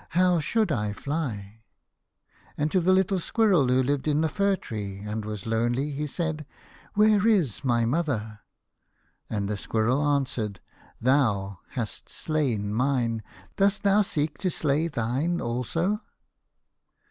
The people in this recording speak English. How should I fly ?" And to the little Squirrel who lived in the fir tree, and was lonely, he said, " Where is my mother ?" And the Squirrel answered, " Thou hast slain mine. Dost thou seek to slay thine also